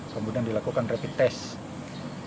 kemudian dilakukan rapid test